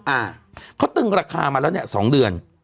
อ่าเขาตึงราคามาแล้วเนี่ยสองเดือน